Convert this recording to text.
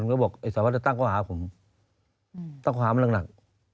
แล้วบอกไอ้สาวว่าจะตั้งข้อหาผมตั้งข้อหามาหนักหนัก